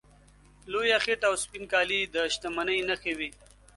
لویه خېټه او سپین کالي د شتمنۍ نښې وې.